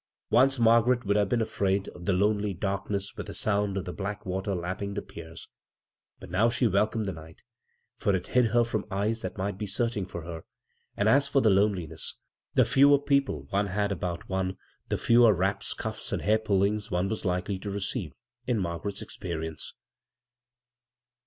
Once Margaret would have been afraid the lonely darkness with the sound of black water lapping the piers ; but now welcomed the night, for it hid her from e that might be searching for her ; and as the loneliness — the fewer people one 1 about one, the fewer raps, cuSs, and h. pullings one was likely to receive — in Bd garet's experience.